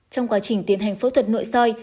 trong quá trình tiến hành phẫu thuật nội soi